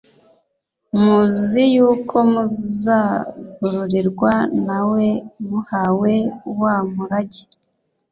muzi yuko muzagororerwa na we muhawe wa murage